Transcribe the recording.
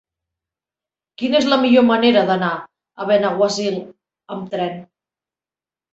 Quina és la millor manera d'anar a Benaguasil amb tren?